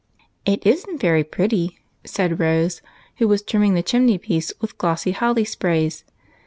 "It isn't very pretty," said Rose, who was trim ming the chimney piece with glossy holly sprays.